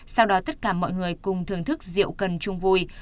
sau đó tất cả mọi người cùng thưởng thức rượu cần chung vui